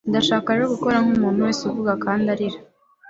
Ndashaka rero gukora nkumuntu wese uvuga kandi arira